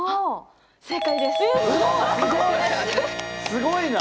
すごいな。